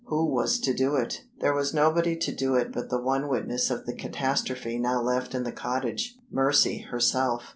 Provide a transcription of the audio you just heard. Who was to do it? There was nobody to do it but the one witness of the catastrophe now left in the cottage Mercy herself.